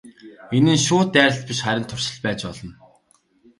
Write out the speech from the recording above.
Энэ нь шууд дайралт биш харин туршилт байж болно.